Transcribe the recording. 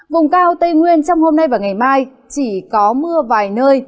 vùng cao tây nguyên trong hôm nay và ngày mai chỉ có mưa vài nơi